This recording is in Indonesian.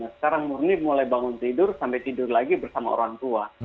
sekarang murni mulai bangun tidur sampai tidur lagi bersama orang tua